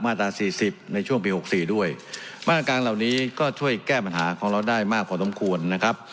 ตราสี่สิบในช่วงปีหกสี่ด้วยมาตรการเหล่านี้ก็ช่วยแก้ปัญหาของเราได้มากพอสมควรนะครับ